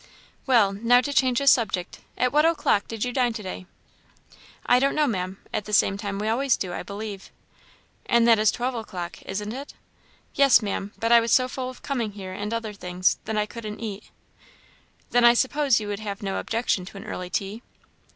"Well, now to change the subject at what o'clock did you dine to day?" "I don't know, Maam at the same time we always do, I believe." "And that is twelve o'clock, isn't it?" "Yes, Maam; but I was so full of coming here and other things? that I couldn't eat." "Then I suppose you would have no objection to an early tea?"